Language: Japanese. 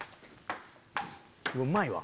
うまいわ。